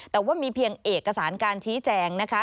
แต่ว่ามีเพียงเอกสารการชี้แจงนะคะ